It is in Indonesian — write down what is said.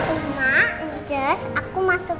uma jus aku masuk